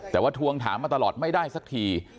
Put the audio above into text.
แต่ว่าทวงถามมาตลอดไม่ได้สักที